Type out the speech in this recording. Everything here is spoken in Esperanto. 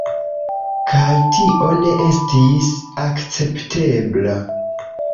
Kaj tio ne estis akceptebla.